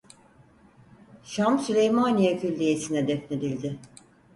Şam Süleymaniye Külliyesi'ne defnedildi.